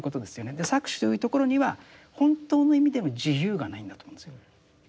搾取というところには本当の意味での自由がないんだと思うんですよ。